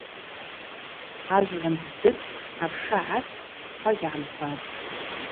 Ажвгӏванд ддытӏ, апша гӏастӏ — ква гьгӏамкватӏ.